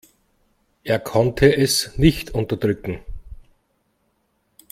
Er konnte es nicht unterdrücken.